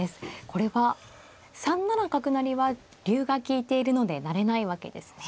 これは３七角成は竜が利いているので成れないわけですね。